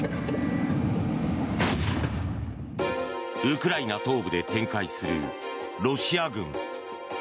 ウクライナ東部で展開するロシア軍。